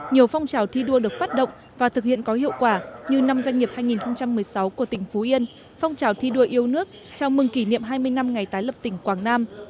nhiều phong trào thi đua được phát động và thực hiện có hiệu quả như năm doanh nghiệp hai nghìn một mươi sáu của tỉnh phú yên phong trào thi đua yêu nước chào mừng kỷ niệm hai mươi năm ngày tái lập tỉnh quảng nam